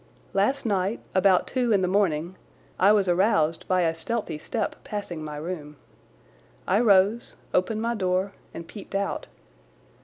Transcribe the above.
Last night, about two in the morning, I was aroused by a stealthy step passing my room. I rose, opened my door, and peeped out.